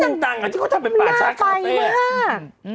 ที่ดังเธอก็ทำเป็นป่าช้าคาเฟ่น่าไปมาก